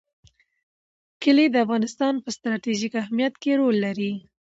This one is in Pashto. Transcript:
کلي د افغانستان په ستراتیژیک اهمیت کې رول لري.